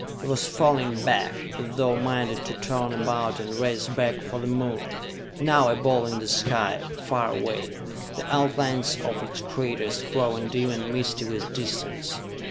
It was falling back, as though minded to turn about and race back for the Moon, now a ball in the sky, far away, the outlines of its craters growing dim and misty with distance.